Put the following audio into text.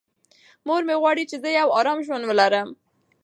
مور مې غواړي چې زه یو ارام ژوند ولرم.